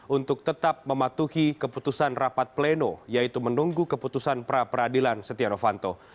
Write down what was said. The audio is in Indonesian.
untuk tetap mematuhi keputusan rapat pleno yaitu menunggu keputusan pra peradilan setia novanto